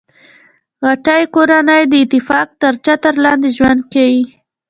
غټۍ کورنۍ د اتفاق تر چتر لاندي ژوند کیي.